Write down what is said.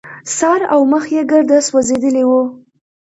سر او مخ يې ګرده سوځېدلي وو.